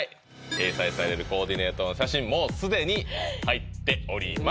掲載されるコーディネートの写真もう既に入っております